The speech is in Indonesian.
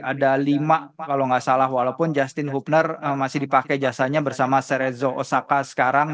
ada lima kalau nggak salah walaupun justin hubner masih dipakai jasanya bersama serezo osaka sekarang